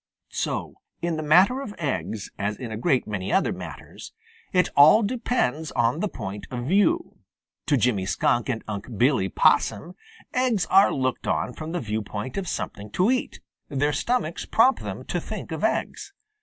So in the matter of eggs, as in a great many other matters, it all depends on the point of view. To Jimmy Skunk and Unc' Billy Possum eggs are looked on from the viewpoint of something to eat. Their stomachs prompt them to think of eggs.